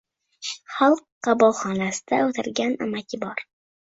Xalq qabulxonasida o‘tirgan amaki bor.